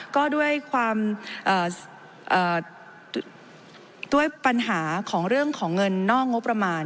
ก็ด้วยความด้วยปัญหาของเรื่องของเงินนอกงบประมาณ